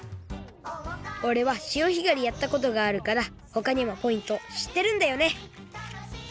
おれは潮干狩りやったことがあるからほかにもポイントしってるんだよね